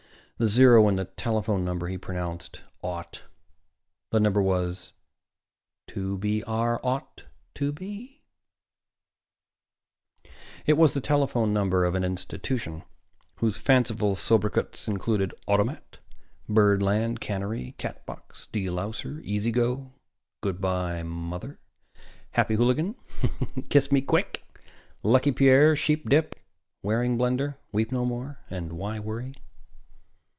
The zero in the telephone number he pronounced "naught." The number was: "2 B R 0 2 B." It was the telephone number of an institution whose fanciful sobriquets included: "Automat," "Birdland," "Cannery," "Catbox," "De louser," "Easy go," "Good by, Mother," "Happy Hooligan," "Kiss me quick," "Lucky Pierre," "Sheepdip," "Waring Blendor," "Weep no more" and "Why Worry?"